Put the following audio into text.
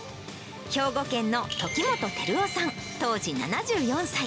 兵庫県の時本照男さん当時７４歳。